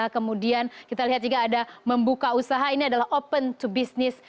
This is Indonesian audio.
kemudian kita lihat juga ada membuka usaha ini adalah open to business